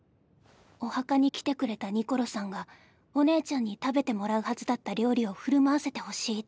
お墓に来てくれたニコロさんがお姉ちゃんに食べてもらうはずだった料理を振る舞わせてほしいって。